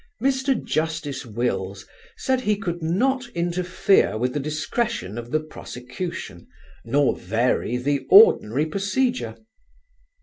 Mr. Justice Wills said he could not interfere with the discretion of the prosecution, nor vary the ordinary procedure.